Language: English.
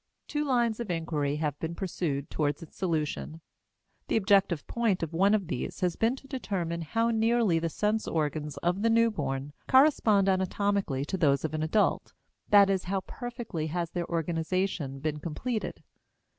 Two lines of inquiry have been pursued toward its solution. The objective point of one of these has been to determine how nearly the sense organs of the newborn correspond anatomically to those of an adult; that is how perfectly has their organization been completed.